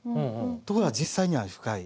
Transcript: ところが実際には深い。